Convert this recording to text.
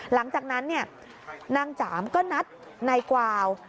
หลังจากนั้นนางจามก็นัดนายกวาว